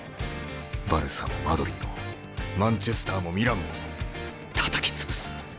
バルサもマドリーもマンチェスターもミランもたたき潰す。